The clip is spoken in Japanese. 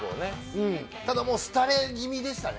ただ、廃れ気味でしたね。